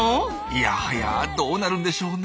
いやはやどうなるんでしょうね。